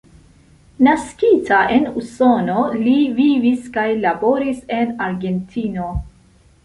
Naskita en Usono, li vivis kaj laboris en Argentino.